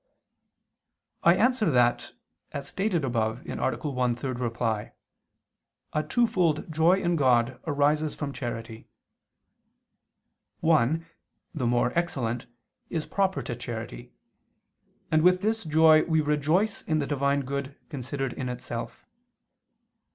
I answer that, As stated above (A. 1, ad 3), a twofold joy in God arises from charity. One, the more excellent, is proper to charity; and with this joy we rejoice in the Divine good considered in itself.